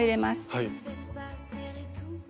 はい。